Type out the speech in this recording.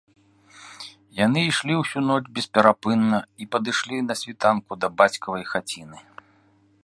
Яны ішлі ўсю ноч бесперапынна і падышлі на світанку да бацькавай хаціны